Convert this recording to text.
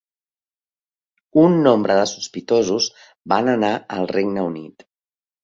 Un nombre de sospitosos van anar al Regne Unit.